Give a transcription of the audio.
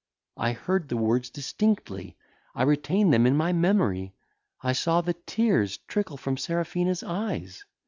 I heard the words distinctly. I retain them in my memory. I saw the tears trickle from Serafina's eyes.